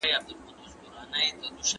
لټون مې نه خلاصیږي زیار مې سر ته نه رسیږي